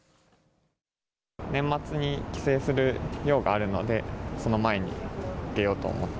年末に帰省する用があるので、その前に受けようと思って。